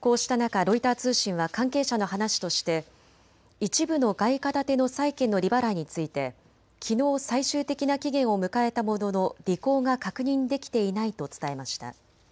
こうした中、ロイター通信は関係者の話として一部の外貨建ての債券の利払いについてきのう最終的な期限を迎えたものの履行が確認できていないと伝えました。